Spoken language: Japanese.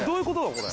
これ。